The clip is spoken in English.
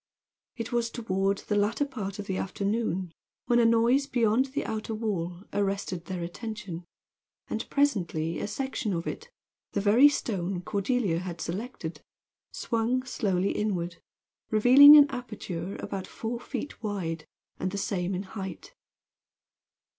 It was toward the latter part of the afternoon when a noise beyond the outer wall arrested their attention, and presently a section of it the very stone Cordelia had selected swung slowly inward, revealing an aperture about four feet wide, and the same in height.